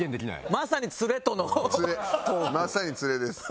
まさにツレです。